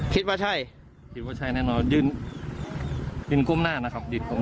คิดว่าใช่คิดว่าใช่แน่นอนยืนยืนก้มหน้านะครับยืนผม